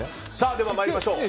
では参りましょう。